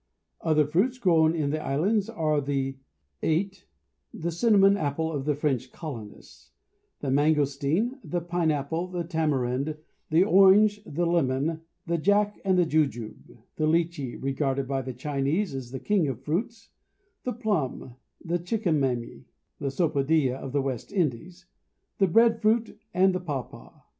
Other fruits grown in the islands are the ate (the cinnamon apple of the French colonists), the mangosteen, the pineapple, the tamarind, the orange, the lemon, the jack, the jujube, the litchi (regarded by the Chinese as the king of fruits), the plum, the chico mamey (the sapodilla of the West Indies), the bread fruit, and the papaw.